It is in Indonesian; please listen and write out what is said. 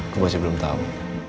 gue masih belum tau